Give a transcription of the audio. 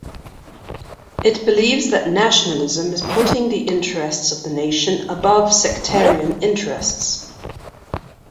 It believes that nationalism is putting the interests of the nation above sectarian interests.